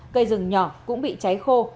cây rừng nhỏ cũng bị cháy khô